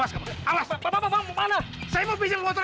kamu pikir tanpa mobil aku gak bisa pergi